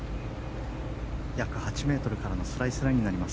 約８ｍからのスライスラインになります。